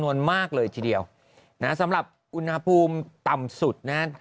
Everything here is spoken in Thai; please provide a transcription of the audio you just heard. นวลมากเลยทีเดียวนะสำหรับอุณหภูมิต่ำสุดนะฮะ